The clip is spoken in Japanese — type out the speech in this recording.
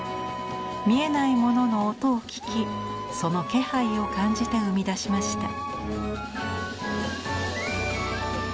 見えないものの音を聞きその気配を感じて生み出しました。